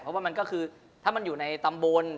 เพราะว่ามันก็คือถ้ามันอยู่ในตำบล